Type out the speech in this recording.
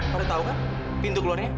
pada tau kan pintu keluarnya